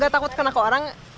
takut kena ke orang